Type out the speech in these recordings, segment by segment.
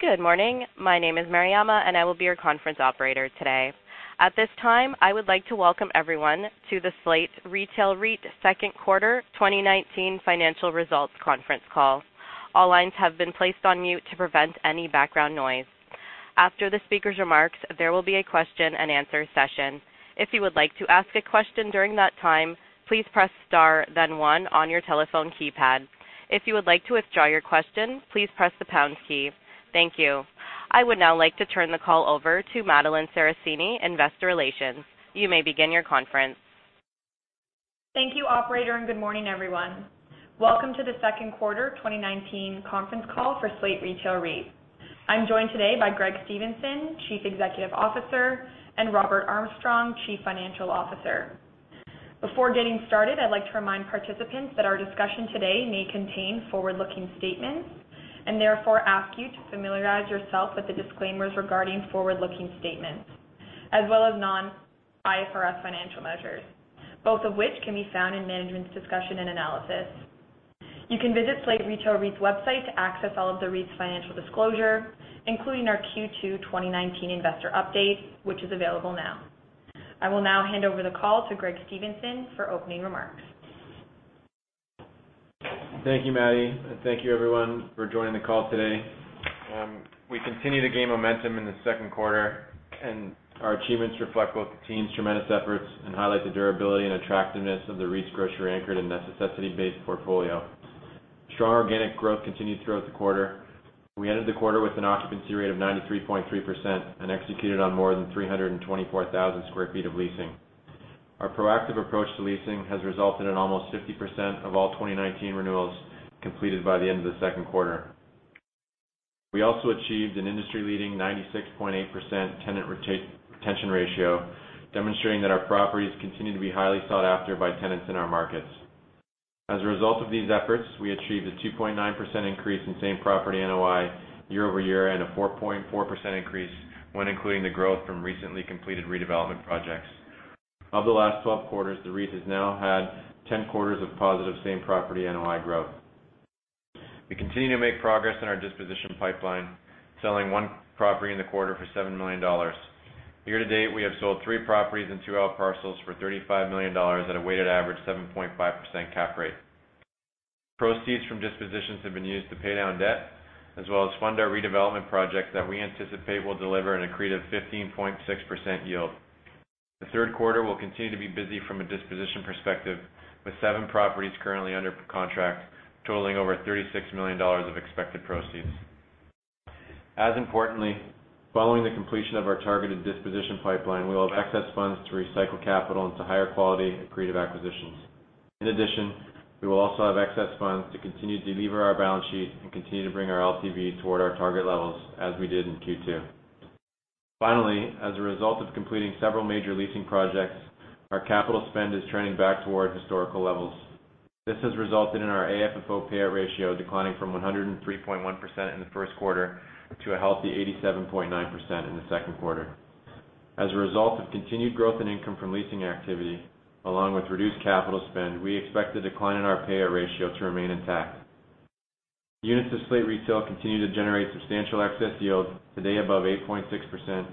Good morning. My name is Mariama, and I will be your conference operator today. At this time, I would like to welcome everyone to the Slate Retail REIT Second Quarter 2019 Financial Results Conference Call. All lines have been placed on mute to prevent any background noise. After the speaker's remarks, there will be a question and answer session. If you would like to ask a question during that time, please press star then one on your telephone keypad. If you would like to withdraw your question, please press the pound key. Thank you. I would now like to turn the call over to Madeline Sarracini, Investor Relations. You may begin your conference. Thank you operator, and good morning everyone. Welcome to the second quarter 2019 conference call for Slate Retail REIT. I am joined today by Greg Stevenson, Chief Executive Officer, and Robert Armstrong, Chief Financial Officer. Before getting started, I would like to remind participants that our discussion today may contain forward-looking statements, and therefore ask you to familiarize yourself with the disclaimers regarding forward-looking statements, as well as non-IFRS financial measures, both of which can be found in management's discussion and analysis. You can visit Slate Retail REIT's website to access all of the REIT's financial disclosure, including our Q2 2019 investor update, which is available now. I will now hand over the call to Greg Stevenson for opening remarks. Thank you, Maddy, and thank you everyone for joining the call today. We continue to gain momentum in the second quarter, and our achievements reflect both the team's tremendous efforts and highlight the durability and attractiveness of the REIT's grocery anchored and necessity-based portfolio. Strong organic growth continued throughout the quarter. We ended the quarter with an occupancy rate of 93.3% and executed on more than 324,000 sq ft of leasing. Our proactive approach to leasing has resulted in almost 50% of all 2019 renewals completed by the end of the second quarter. We also achieved an industry-leading 96.8% tenant retention ratio, demonstrating that our properties continue to be highly sought after by tenants in our markets. As a result of these efforts, we achieved a 2.9% increase in same property NOI year-over-year and a 4.4% increase when including the growth from recently completed redevelopment projects. Of the last 12 quarters, the REIT has now had 10 quarters of positive same property NOI growth. We continue to make progress in our disposition pipeline, selling one property in the quarter for $7 million. Year to date, we have sold three properties and two out parcels for $35 million at a weighted average 7.5% cap rate. Proceeds from dispositions have been used to pay down debt, as well as fund our redevelopment projects that we anticipate will deliver an accretive 15.6% yield. The third quarter will continue to be busy from a disposition perspective with seven properties currently under contract, totaling over $36 million of expected proceeds. As importantly, following the completion of our targeted disposition pipeline, we will have excess funds to recycle capital into higher quality accretive acquisitions. We will also have excess funds to continue to delever our balance sheet and continue to bring our LTV toward our target levels as we did in Q2. As a result of completing several major leasing projects, our capital spend is trending back toward historical levels. This has resulted in our AFFO payout ratio declining from 103.1% in the first quarter to a healthy 87.9% in the second quarter. As a result of continued growth and income from leasing activity, along with reduced capital spend, we expect the decline in our payout ratio to remain intact. Units of Slate Retail continue to generate substantial excess yield, today above 8.6%,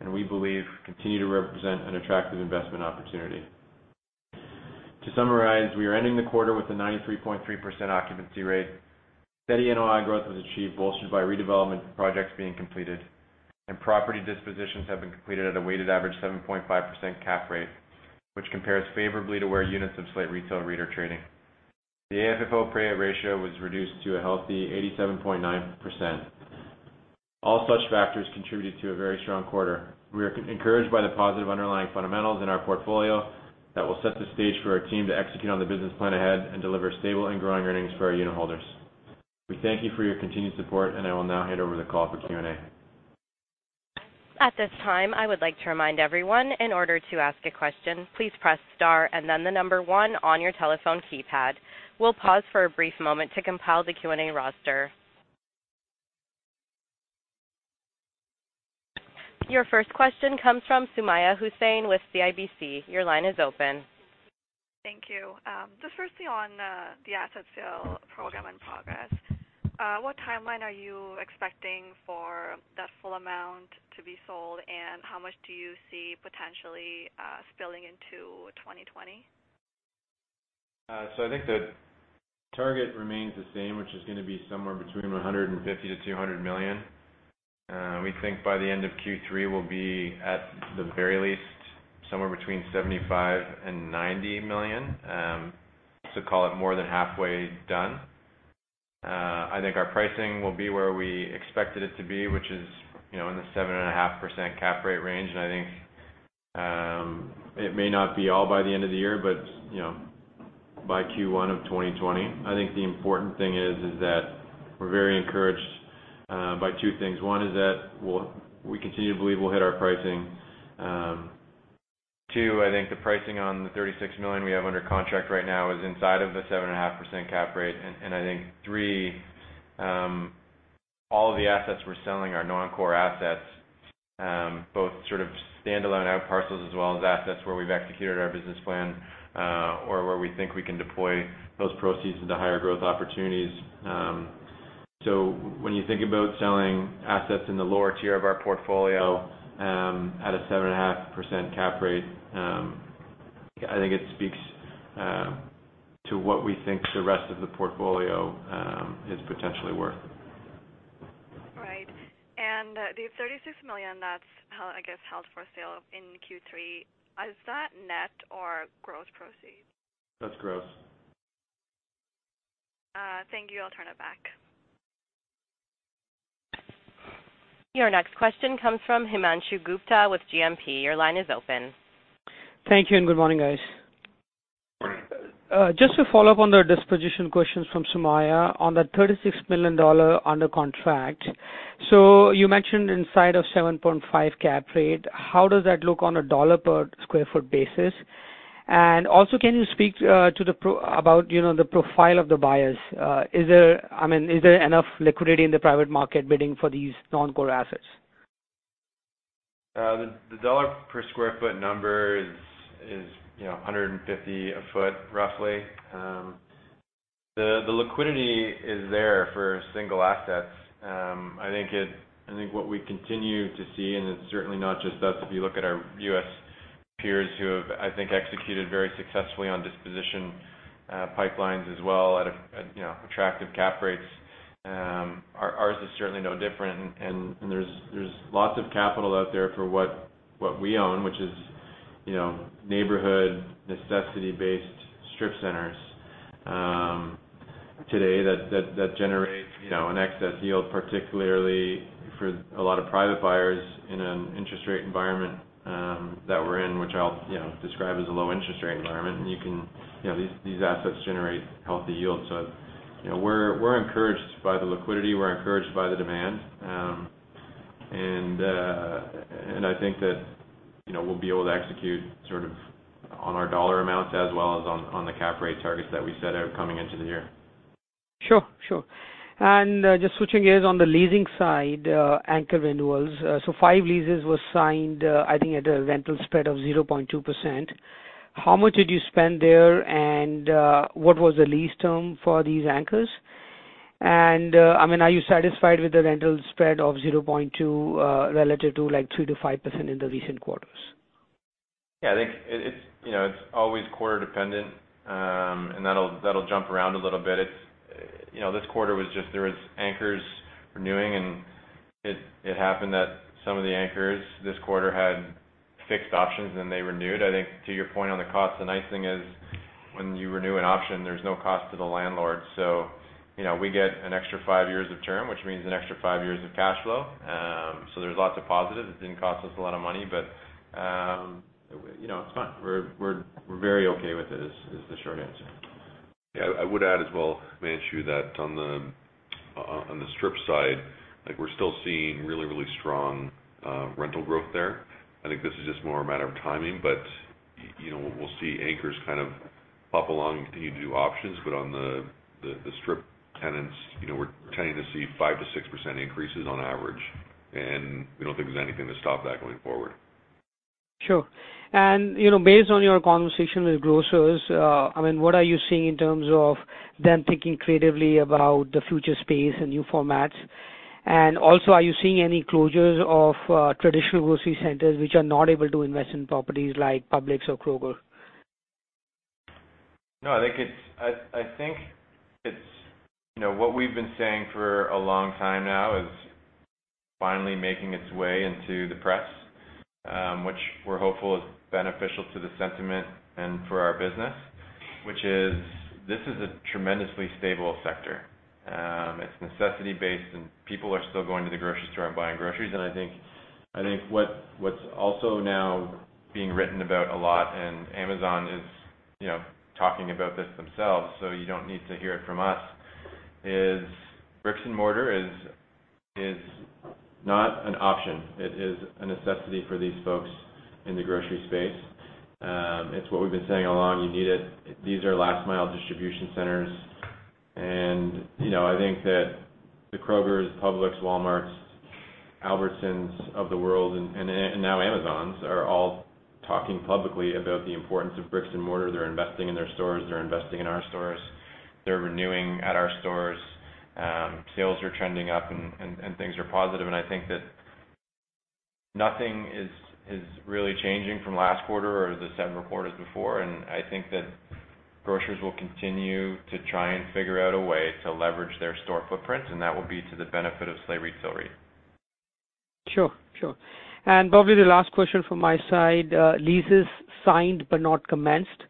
and we believe continue to represent an attractive investment opportunity. To summarize, we are ending the quarter with a 93.3% occupancy rate. Steady NOI growth was achieved, bolstered by redevelopment projects being completed, and property dispositions have been completed at a weighted average 7.5% cap rate, which compares favorably to where units of Slate Retail REIT are trading. The AFFO payout ratio was reduced to a healthy 87.9%. All such factors contributed to a very strong quarter. We are encouraged by the positive underlying fundamentals in our portfolio that will set the stage for our team to execute on the business plan ahead and deliver stable and growing earnings for our unit holders. We thank you for your continued support, and I will now hand over the call for Q&A. At this time, I would like to remind everyone, in order to ask a question, please press star and then the number one on your telephone keypad. We'll pause for a brief moment to compile the Q&A roster. Your first question comes from Sumayya Hussain with CIBC. Your line is open. Thank you. Just firstly on the asset sale program and progress. What timeline are you expecting for that full amount to be sold, and how much do you see potentially spilling into 2020? I think the target remains the same, which is going to be somewhere between $150 million-$200 million. We think by the end of Q3, we'll be, at the very least, somewhere between $75 million and $90 million. Call it more than halfway done. I think our pricing will be where we expected it to be, which is in the 7.5% cap rate range. I think it may not be all by the end of the year, but by Q1 of 2020. I think the important thing is that we're very encouraged by two things. One is that we continue to believe we'll hit our pricing. Two, I think the pricing on the $36 million we have under contract right now is inside of the 7.5% cap rate. I think three, all of the assets we're selling are non-core assets. Both sort of standalone ad parcels as well as assets where we've executed our business plan, or where we think we can deploy those proceeds into higher growth opportunities. When you think about selling assets in the lower tier of our portfolio, at a 7.5% cap rate, I think it speaks to what we think the rest of the portfolio is potentially worth. Right. The $36 million that's, I guess, held for sale in Q3, is that net or gross proceeds? That's gross. Thank you. I'll turn it back. Your next question comes from Himanshu Gupta with GMP. Your line is open. Thank you. Good morning, guys. Just to follow up on the disposition questions from Sumayya, on the $36 million under contract. You mentioned inside of 7.5 cap rate, how does that look on a dollar per square foot basis? Also, can you speak about the profile of the buyers? Is there enough liquidity in the private market bidding for these non-core assets? The dollar per sq ft number is $150 a foot, roughly. The liquidity is there for single assets. I think what we continue to see, and it's certainly not just us, if you look at our U.S. peers who have, I think, executed very successfully on disposition pipelines as well at attractive cap rates. Ours is certainly no different, and there's lots of capital out there for what we own, which is neighborhood necessity-based strip centers today that generates an excess yield, particularly for a lot of private buyers in an interest rate environment that we're in, which I'll describe as a low interest rate environment, and these assets generate healthy yields. We're encouraged by the liquidity, we're encouraged by the demand. I think that we'll be able to execute sort of on our dollar amounts as well as on the cap rate targets that we set out coming into the year. Sure. Just switching gears on the leasing side, anchor renewals. Five leases were signed, I think at a rental spread of 0.2%. How much did you spend there? What was the lease term for these anchors? Are you satisfied with the rental spread of 0.2% relative to 3%-5% in the recent quarters? Yeah, I think it's always quarter dependent, and that'll jump around a little bit. This quarter there was anchors renewing, and it happened that some of the anchors this quarter had fixed options and they renewed. I think to your point on the cost, the nice thing is when you renew an option, there's no cost to the landlord. We get an extra five years of term, which means an extra five years of cash flow. There's lots of positives. It didn't cost us a lot of money, but it's fine. We're very okay with it is the short answer. Yeah, I would add as well, Himanshu, that on the strip side, we're still seeing really, really strong rental growth there. I think this is just more a matter of timing. We'll see anchors kind of pop along and continue to do options. On the strip tenants, we're continuing to see 5%-6% increases on average, and we don't think there's anything to stop that going forward. Sure. Based on your conversation with grocers, what are you seeing in terms of them thinking creatively about the future space and new formats? Also, are you seeing any closures of traditional grocery centers which are not able to invest in properties like Publix or Kroger? No, I think what we've been saying for a long time now is finally making its way into the press, which we're hopeful is beneficial to the sentiment and for our business. This is a tremendously stable sector. It's necessity based, people are still going to the grocery store and buying groceries. I think what's also now being written about a lot, and Amazon is talking about this themselves, so you don't need to hear it from us, is bricks and mortar is not an option. It is a necessity for these folks in the grocery space. It's what we've been saying all along. You need it. These are last mile distribution centers, I think that the Krogers, Publix, Walmarts, Albertsons of the world, and now Amazon, are all talking publicly about the importance of bricks and mortar. They're investing in their stores. They're investing in our stores. They're renewing at our stores. Sales are trending up and things are positive. I think that nothing is really changing from last quarter or the seven quarters before. I think that grocers will continue to try and figure out a way to leverage their store footprint, and that will be to the benefit of Slate Retail REIT. Sure. Probably the last question from my side. Leases signed but not commenced.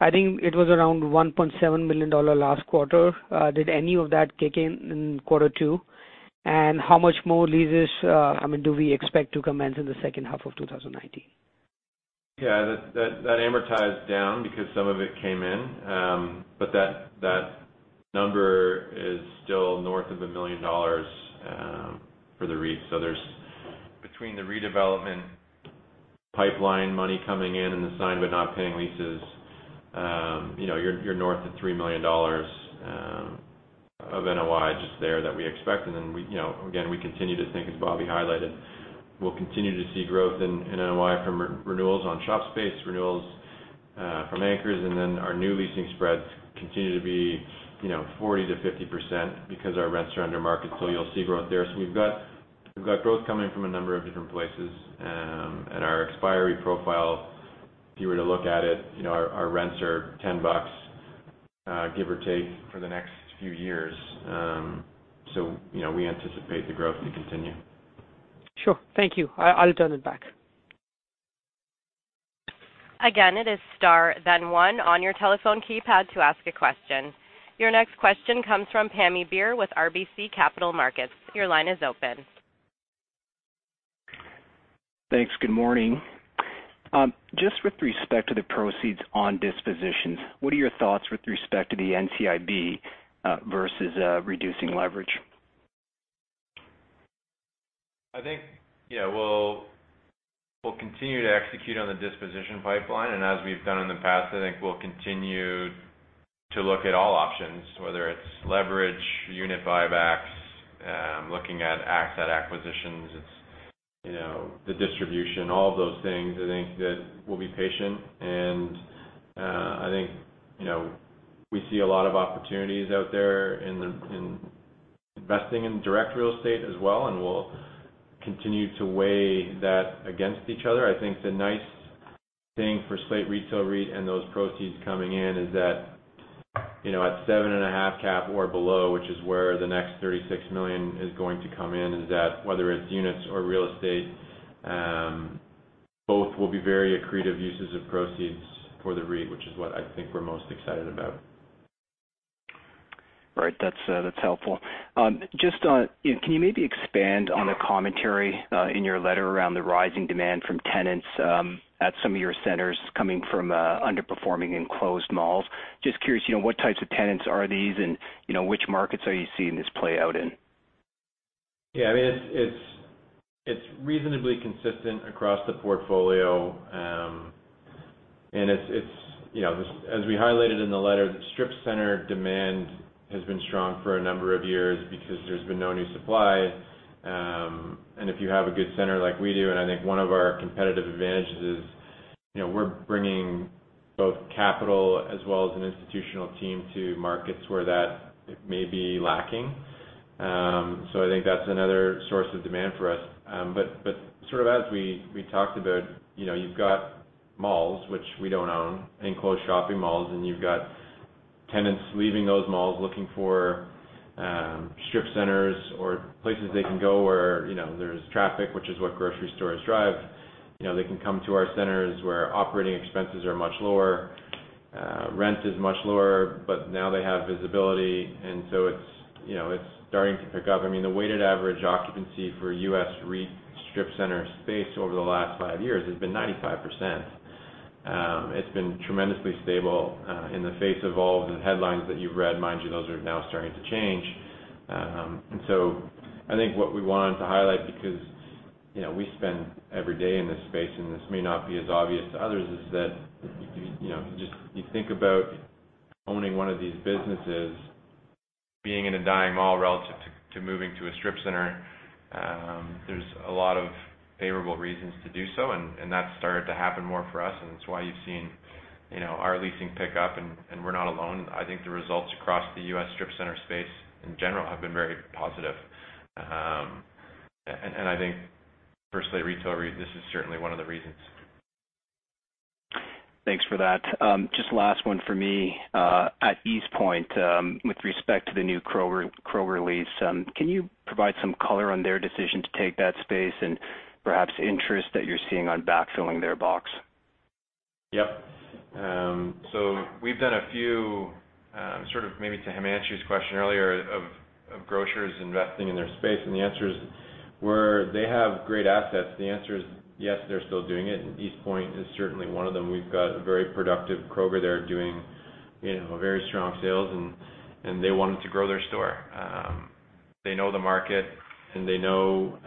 I think it was around $1.7 million last quarter. Did any of that kick in in quarter two? How much more leases do we expect to commence in the second half of 2019? That amortized down because some of it came in. That number is still north of $1 million for the REIT. Between the redevelopment pipeline money coming in and the signed but not paying leases, you're north of $3 million of NOI just there that we expect. Again, we continue to think, as Bobby highlighted, we'll continue to see growth in NOI from renewals on shop space, renewals from anchors. Our new leasing spreads continue to be 40%-50% because our rents are under market. You'll see growth there. We've got growth coming from a number of different places. Our expiry profile, if you were to look at it, our rents are $10, give or take, for the next few years. We anticipate the growth to continue. Sure. Thank you. I'll turn it back. Again, it is star then one on your telephone keypad to ask a question. Your next question comes from Pammi Bir with RBC Capital Markets. Your line is open. Thanks. Good morning. Just with respect to the proceeds on dispositions, what are your thoughts with respect to the NCIB, versus reducing leverage? I think we'll continue to execute on the disposition pipeline. As we've done in the past, I think we'll continue to look at all options, whether it's leverage, unit buybacks, looking at asset acquisitions, the distribution, all of those things. I think that we'll be patient, and I think we see a lot of opportunities out there in investing in direct real estate as well, and we'll continue to weigh that against each other. I think the nice thing for Slate Retail REIT and those proceeds coming in is that at 7.5 cap or below, which is where the next $36 million is going to come in, is that whether it's units or real estate, both will be very accretive uses of proceeds for the REIT, which is what I think we're most excited about. Right. That's helpful. Can you maybe expand on the commentary in your letter around the rising demand from tenants at some of your centers coming from underperforming enclosed malls? Just curious, what types of tenants are these, and which markets are you seeing this play out in? Yeah. It's reasonably consistent across the portfolio. As we highlighted in the letter, the strip center demand has been strong for a number of years because there's been no new supply. If you have a good center like we do, and I think one of our competitive advantages is we're bringing both capital as well as an institutional team to markets where that may be lacking. I think that's another source of demand for us. Sort of as we talked about, you've got malls, which we don't own, enclosed shopping malls, and you've got tenants leaving those malls looking for strip centers or places they can go where there's traffic, which is what grocery stores drive. They can come to our centers where operating expenses are much lower, rent is much lower, but now they have visibility, and so it's starting to pick up. The weighted average occupancy for U.S. REIT strip center space over the last five years has been 95%. It's been tremendously stable in the face of all the headlines that you've read. Mind you, those are now starting to change. I think what we wanted to highlight, because we spend every day in this space and this may not be as obvious to others, is that if you think about owning one of these businesses, being in a dying mall relative to moving to a strip center, there's a lot of favorable reasons to do so, and that's started to happen more for us, and it's why you've seen our leasing pick up, and we're not alone. I think the results across the U.S. strip center space in general have been very positive. I think for Slate Retail REIT, this is certainly one of the reasons. Thanks for that. Just last one for me. At Eastpointe, with respect to the new Kroger lease, can you provide some color on their decision to take that space and perhaps interest that you're seeing on backfilling their box? Yep. We've done a few, sort of maybe to Himanshu's question earlier, of grocers investing in their space. The answer is where they have great assets, the answer is yes, they're still doing it. Eastpointe is certainly one of them. We've got a very productive Kroger there doing very strong sales. They wanted to grow their store. They know the market. They know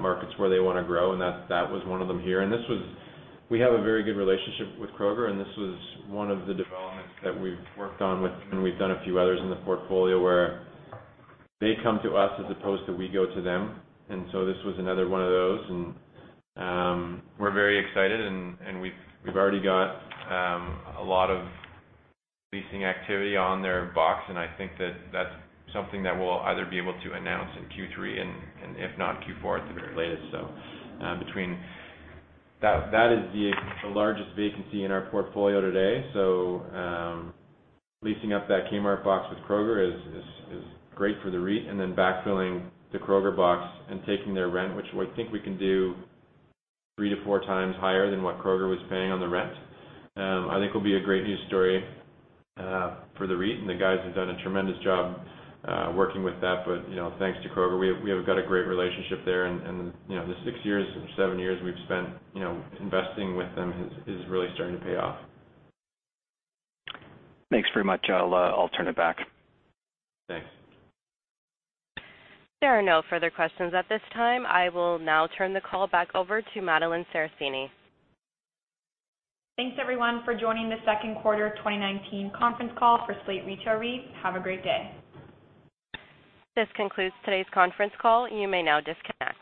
markets where they want to grow. That was one of them here. We have a very good relationship with Kroger. This was one of the developments that we've worked on with them. We've done a few others in the portfolio where they come to us as opposed to we go to them. This was another one of those. We're very excited, we've already got a lot of leasing activity on their box, I think that that's something that we'll either be able to announce in Q3 and if not, Q4 at the very latest. That is the largest vacancy in our portfolio today. Leasing up that Kmart box with Kroger is great for the REIT, then backfilling the Kroger box and taking their rent, which I think we can do three to four times higher than what Kroger was paying on the rent, I think will be a great news story for the REIT, the guys have done a tremendous job working with that. Thanks to Kroger, we have got a great relationship there, the six years or seven years we've spent investing with them is really starting to pay off. Thanks very much. I'll turn it back. Thanks. There are no further questions at this time. I will now turn the call back over to Madeline Sarracini. Thanks everyone for joining the second quarter 2019 conference call for Slate Retail REIT. Have a great day. This concludes today's conference call. You may now disconnect.